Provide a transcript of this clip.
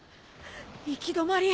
行き止まり。